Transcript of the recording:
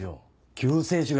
救世主が！